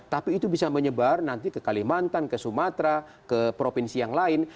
tapi itu bisa menyebar nanti ke kalimantan ke sumatera ke provinsi yang lain